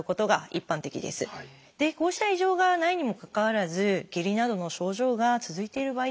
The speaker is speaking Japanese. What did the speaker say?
こうした異常がないにもかかわらず下痢などの症状が続いている場合ですね